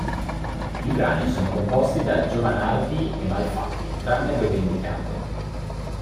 I brani sono composti da Giovanardi e Malfatti tranne dove indicato